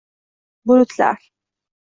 Bulutlar…